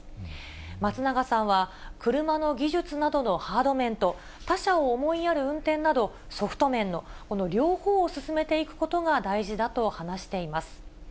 松永さんは、車の技術などのハード面と、他者を思いやる運転などソフト面の、この両方を進めていくことが大事だと話しています。